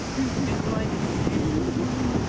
怖いですね。